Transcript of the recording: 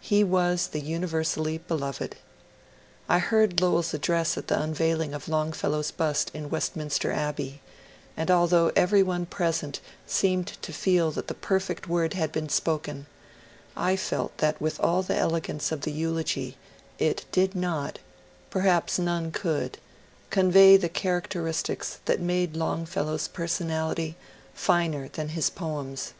He was the universally beloved. I heard Lowell's address at the unveiling of Longfellow's bust in Westminster Abbey ; and although every one present seemed to feel that the perfect word had been spoken, I felt that with all the elegance of the eulogy it did not — perhaps none could — convey the charac teristics that made Longfellow's personality finer than his poems.